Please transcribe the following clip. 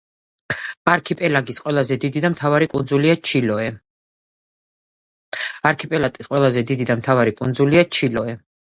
არქიპელაგის ყველაზე დიდი და მთავარი კუნძულია ჩილოე.